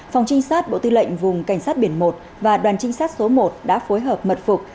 phòng trinh sát bộ tư lệnh vùng cảnh sát biển một và đoàn trinh sát số một đã phối hợp mật phục